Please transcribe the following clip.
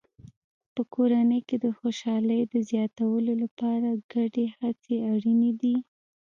په کورنۍ کې د خوشحالۍ د زیاتولو لپاره ګډې هڅې اړینې دي.